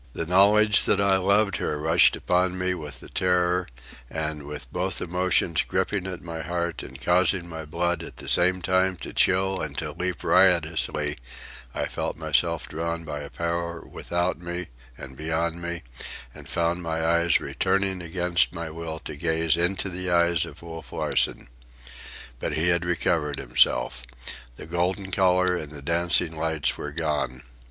The knowledge that I loved her rushed upon me with the terror, and with both emotions gripping at my heart and causing my blood at the same time to chill and to leap riotously, I felt myself drawn by a power without me and beyond me, and found my eyes returning against my will to gaze into the eyes of Wolf Larsen. But he had recovered himself. The golden colour and the dancing lights were gone.